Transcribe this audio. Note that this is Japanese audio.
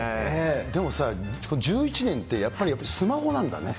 でもさ、１１年って、やっぱりスマホなんだね。